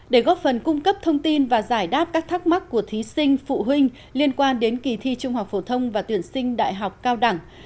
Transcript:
để góp phần cung cấp thông tin và giải đáp các thắc mắc của thí sinh phụ huynh liên quan đến kỳ thi trung học phổ thông và tuyển sinh đại học cao đẳng